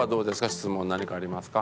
質問何かありますか？